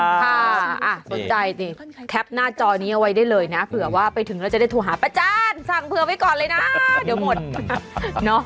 ค่ะสนใจสิแคปหน้าจอนี้เอาไว้ได้เลยนะเผื่อว่าไปถึงแล้วจะได้โทรหาป้าจานสั่งเผื่อไว้ก่อนเลยนะเดี๋ยวหมดเนอะ